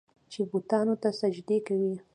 چې بوتانو ته سجدې کوي.